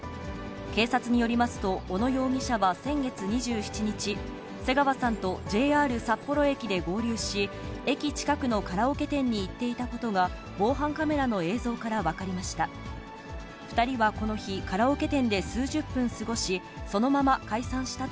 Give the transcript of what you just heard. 警察によりますと、小野容疑者は先月２７日、瀬川さんとＪＲ札幌駅で合流し、駅近くのカラオケ店に行っていたことが、防犯カメラの映像から分かりました。